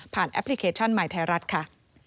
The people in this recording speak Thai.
แอปพลิเคชันใหม่ไทยรัฐค่ะ